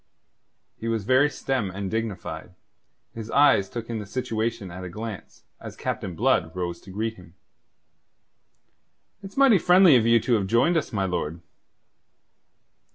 He was very stern and dignified. His eyes took in the situation at a glance, as Captain Blood rose to greet him. "It's mighty friendly of you to have joined us, my lord."